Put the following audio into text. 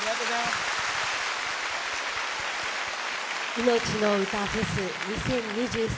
「いのちのうたフェス２０２３」